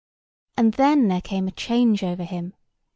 And then there came a change over him.